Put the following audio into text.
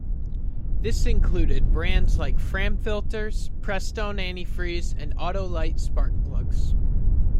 This included brands like Framfilters, Prestone antifreeze and Autolite spark plugs.